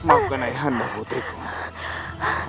aku tidak sedih